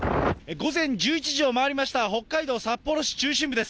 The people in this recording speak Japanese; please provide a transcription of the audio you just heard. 午前１１時を回りました、北海道札幌市中心部です。